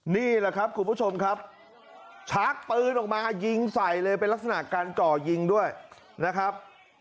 นี่แหละครับคุณผู้ชมครับชักปืนออกมายิงใส่เลยเป็นลักษณะการจ่อยิงด้วยนะครับ